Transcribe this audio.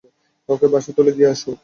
ওকে বাসে তুলে দিয়ে এসো।